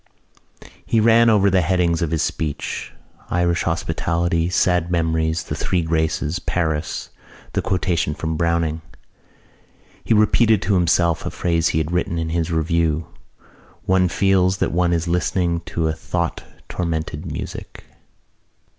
He ran over the headings of his speech: Irish hospitality, sad memories, the Three Graces, Paris, the quotation from Browning. He repeated to himself a phrase he had written in his review: "One feels that one is listening to a thought tormented music."